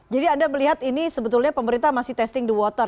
jadi anda melihat ini sebetulnya pemerintah masih testing the water